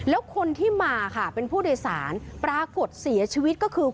แล้วคนที่มาค่ะเป็นผู้โดยสารปรากฏเสียชีวิตก็คือ